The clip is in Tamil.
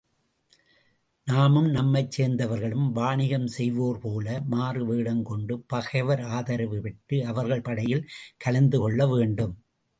நாமும் நம்மைச் சேர்ந்தவர்களும் வாணிகம் செய்வோர்போல மாறுவேடங் கொண்டு பகைவர் ஆதரவு பெற்று, அவர்கள் படையில் கலந்துகொள்ள வேண்டும்.